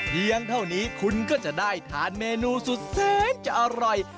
เพียงเท่านี้คุณก็จะได้ทานเมนูสุดแซนจะอร่อย